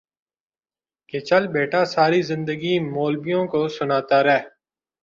کہ چل بیٹا ساری زندگی مولبیوں کو سنتا رہ